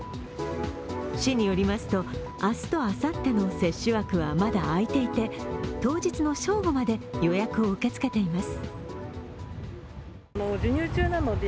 市によりますと明日とあさっての接種枠はまだ空いていて当日の正午まで予約を受け付けています。